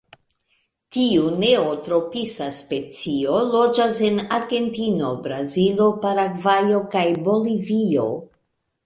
Tiu neotropisa specio loĝas en Argentino, Brazilo, Paragvajo kaj Bolivio.